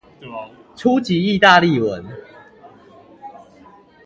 初級義大利文